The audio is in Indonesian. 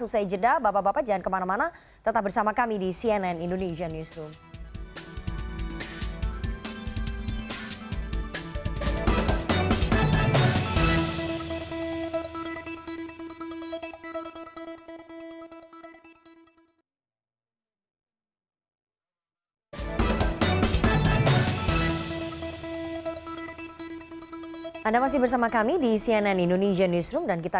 usai jeda bapak bapak jangan kemana mana tetap bersama kami di cnn indonesian newsroom